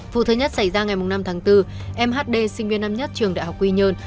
vụ thứ nhất xảy ra ngày năm bốn mhd sinh viên năm nhất trường đại học quy nhơn